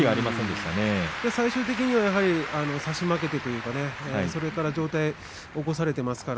最終的には差し負けてといいますか上体を起こされています。